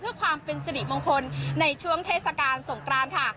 เพื่อความเป็นสิริมงคลในช่วงเทศกาลสงกรานค่ะ